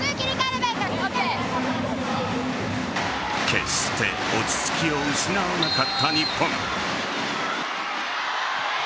決して落ち着きを失わなかった日本。